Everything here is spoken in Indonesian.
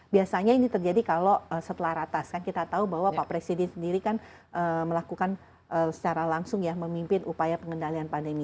biasanya ini terjadi kalau setelah ratas kan kita tahu bahwa pak presiden sendiri kan melakukan secara langsung ya memimpin upaya pengendalian pandemi